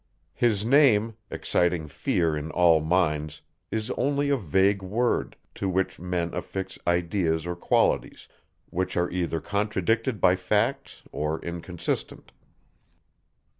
His name, exciting fear in all minds, is only a vague word, to which, men affix ideas or qualities, which are either contradicted by facts, or inconsistent.